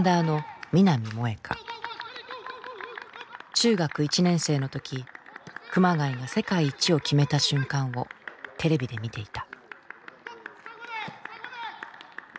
中学１年生の時熊谷が世界一を決めた瞬間をテレビで見ていた。